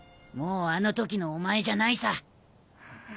もうあのときのお前じゃないさ。